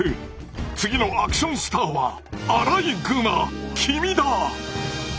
次のアクションスターはアライグマ君だ！